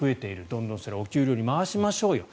どんどんそれをお給料に回しましょうよ。